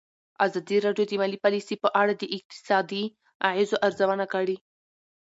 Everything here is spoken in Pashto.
ازادي راډیو د مالي پالیسي په اړه د اقتصادي اغېزو ارزونه کړې.